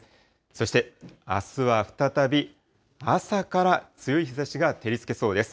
そして、あすは再び朝から強い日ざしが照りつけそうです。